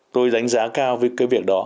tôi đánh giá cao với cái việc đó